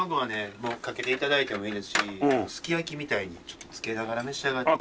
もうかけて頂いてもいいですしすき焼きみたいにちょっとつけながら召し上がっても。